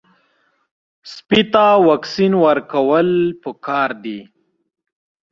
سپي ته واکسین ورکول پکار دي.